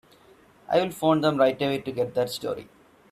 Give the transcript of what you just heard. I'll phone them right away to get that story.